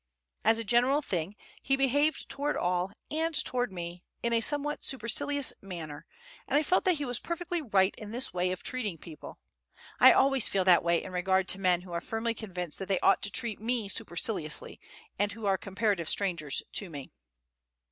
As a general thing, he behaved toward all, and toward me, in a somewhat supercilious manner, and I felt that he was perfectly right in this way of treating people. I always feel that way in regard to men who are firmly convinced that they ought to treat me superciliously, and who are comparative strangers to me.